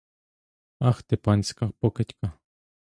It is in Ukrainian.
Ах ти панська покидька!